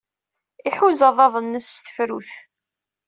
Iḥuza aḍad-nnes s tefrut.